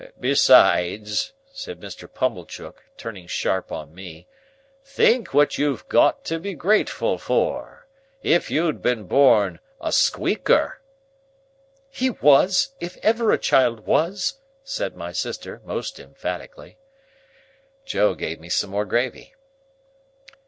"Besides," said Mr. Pumblechook, turning sharp on me, "think what you've got to be grateful for. If you'd been born a Squeaker—" "He was, if ever a child was," said my sister, most emphatically. Joe gave me some more gravy.